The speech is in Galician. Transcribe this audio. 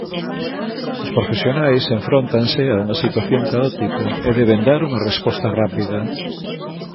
Os profesionais enfróntanse a unha situación caótica e deben dar unha resposta rápida.